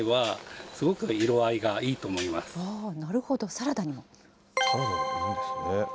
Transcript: サラダにもいいですよね。